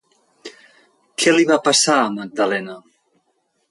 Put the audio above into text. Què li va passar a Magdalena?